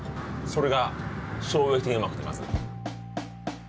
それが衝撃的にうまくてまず。